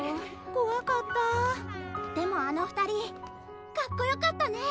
こわかったでもあの２人かっこよかったね！